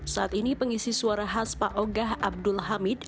saat ini pengisi suara khas pak ogah abdul hamid